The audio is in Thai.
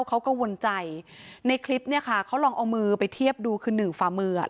เขากังวลใจในคลิปเนี่ยค่ะเขาลองเอามือไปเทียบดูคือหนึ่งฝ่ามืออ่ะ